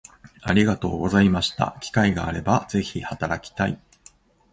ありがとうございました機会があれば是非働きたい